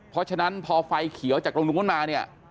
เพราะฉะนั้นพอไฟเขียวจากตรงนู้นมาเนี่ย